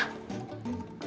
ini baru jam sepuluh